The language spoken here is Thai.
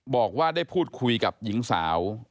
บอกว่าได้พูดคุยกับหญิงสาว